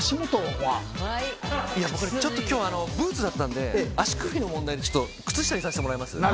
ちょっと今日ブーツだったので足首の問題で靴下にさせていただきます。